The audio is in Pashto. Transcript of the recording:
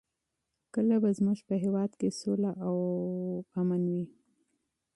کله به زموږ په هېواد کې سوله او ورزش وي؟